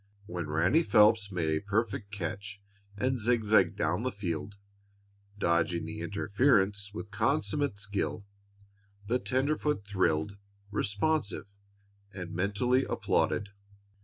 When Ranny Phelps made a perfect catch and zigzagged down the field, dodging the interference with consummate skill, the tenderfoot thrilled responsive and mentally applauded.